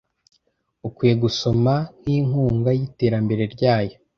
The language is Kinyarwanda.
Ukwiye gusoma nkinkunga yiterambere ryayo,